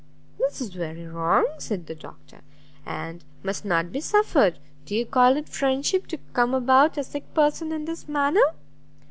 "This is very wrong," said the doctor, "and must not be suffered: do you call it friendship to come about a sick person in this manner?"